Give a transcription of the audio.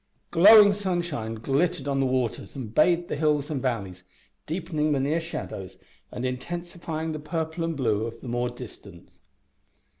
Glowing sunshine glittered on the waters and bathed the hills and valleys, deepening the near shadows and intensifying the purple and blue of those more distant.